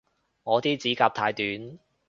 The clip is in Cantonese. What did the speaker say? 我啲指甲太短